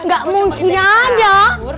enggak mungkin ada